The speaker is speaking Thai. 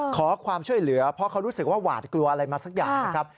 ขอความช่วยเหลือเพราะเขารู้สึกว่าหวาดกลัวอะไรมาสักอย่างนะครับ